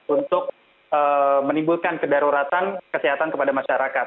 untuk menimbulkan kedaruratan kesehatan kepada masyarakat